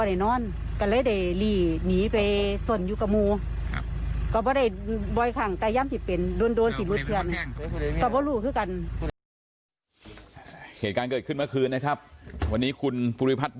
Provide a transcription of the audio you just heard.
ที่จังหวัดมหาสลขามนะครับบ้านที่เกิดเหตุอยู่กลางหมู่บ้านนะครับ